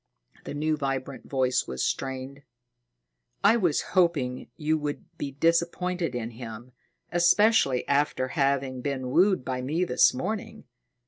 The new vibrant voice was strained. "I was hoping you would be disappointed in him, especially after having been wooed by me this morning.